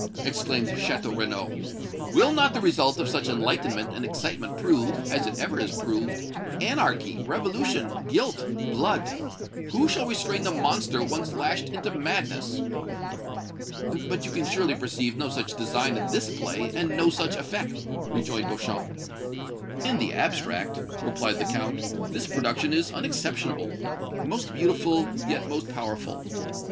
exclaimed Château Renaud. "Will not the result of such enlightenment and excitement prove, as it ever has proved, anarchy, revolution, guilt, blood? Who shall restrain the monster once lashed into madness?" "But you can surely perceive no such design in this play, and no such effect," rejoined Beauchamp. "In the abstract," replied the Count, "this production is unexceptionable most beautiful, yet most powerful.